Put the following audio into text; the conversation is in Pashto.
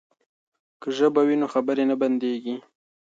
که ژبه وي نو خبرې نه بندیږي.